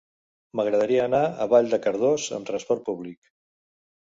M'agradaria anar a Vall de Cardós amb trasport públic.